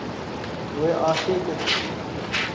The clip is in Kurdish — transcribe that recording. Wê asê kir.